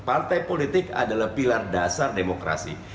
partai politik adalah pilar dasar demokrasi